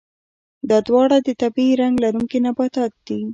دا دواړه د طبیعي رنګ لرونکي نباتات دي.